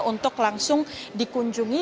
untuk langsung dikunjungi